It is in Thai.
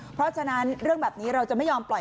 เพราะฉะนั้นเรื่องแบบนี้เราจะไม่ยอมปล่อย